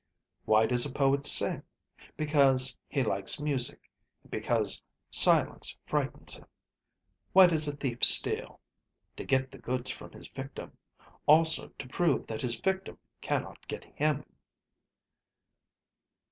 Why does a poet sing? Because he likes music; and because silence frightens him. Why does a thief steal? To get the goods from his victim; also to prove that his victim cannot get him."